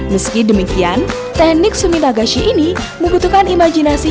meski demikian teknik suminagashi ini membutuhkan imajinasi